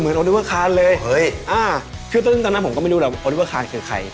คือตั้งแต่นั้นผมก็ไม่รู้ว่าว่าใคร